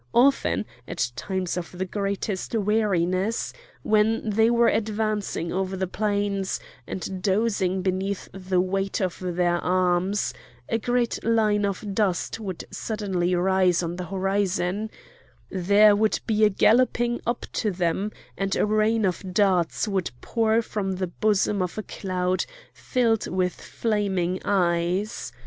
Often, at times of the greatest weariness, when they were advancing over the plains, and dozing beneath the weight of their arms, a great line of dust would suddenly rise on the horizon; there would be a galloping up to them, and a rain of darts would pour from the bosom of a cloud filled with flaming eyes.